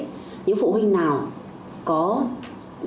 các phụ huynh học sinh nào có nguyện